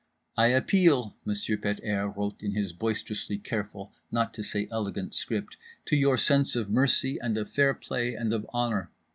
"I appeal" (Monsieur Pet airs wrote in his boisterously careful, not to say elegant, script) "to your sense of mercy and of fair play and of honour.